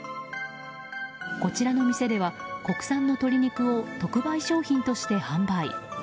こちらの店では国産の鶏肉を特売商品として販売。